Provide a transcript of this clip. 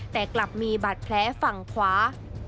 แต่กลับมีบาดแผลฝั่งขวา